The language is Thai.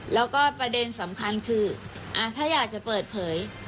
แล้วก็ประเด็นสำคัญคือถ้าอยากจะเปิดเผย